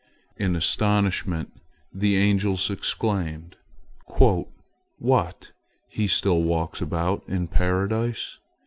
In astonishment the angels exclaimed: "What! He still walks about in Paradise?